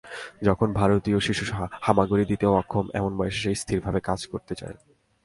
যখন ভারতীয় শিশু হামাগুড়ি দিতেও অক্ষম, এমন বয়সে সে স্থিরভাবে কাজ করতে যায়।